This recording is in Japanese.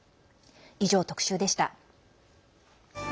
以上、特集でした。